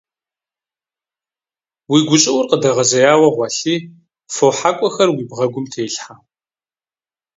- Уи гущӀыӀур къыдэгъэзеяуэ гъуэлъи, фо хьэкӀуэхэр уи бгъэгум телъхьэ.